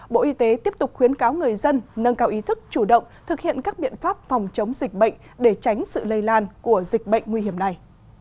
bộ y tế tiếp tục khuyến cáo người dân nâng cao ý thức chủ động thực hiện các biện pháp phòng chống dịch bệnh để tránh sự lây lan của dịch bệnh nguy hiểm này